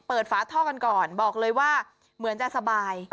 ฝาท่อกันก่อนบอกเลยว่าเหมือนจะสบาย